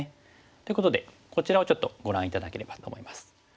ということでこちらをちょっとご覧頂ければと思います。